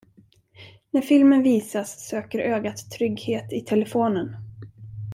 När filmen visas söker ögat trygghet i telefonen.